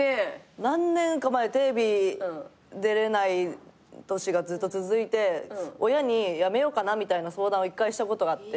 何年か前テレビ出れない年がずっと続いて親にやめようかなみたいな相談を１回したことがあって。